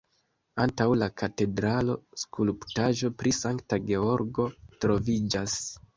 Antaŭ la katedralo skulptaĵo pri Sankta Georgo troviĝas.